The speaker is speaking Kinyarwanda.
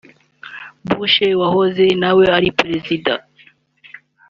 Bush wahoze nawe ari perezida